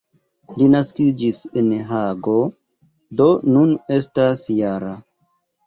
Li naskiĝis en Hago, do nun estas -jara.